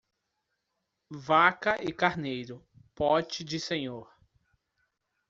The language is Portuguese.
Vaca e carneiro, pote de senhor.